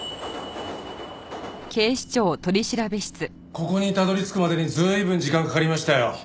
ここにたどり着くまでに随分時間かかりましたよ。